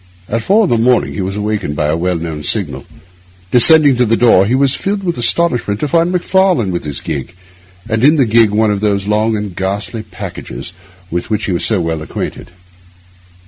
At four in the morning he was awakened by the well known signal. Descending to the door, he was filled with astonishment to find Macfarlane with his gig, and in the gig one of those long and ghastly packages with which he was so well acquainted.